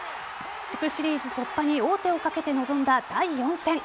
地区シリーズ突破に王手をかけて臨んだ第４戦。